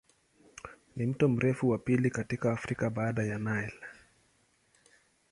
Ni mto mrefu wa pili katika Afrika baada ya Nile.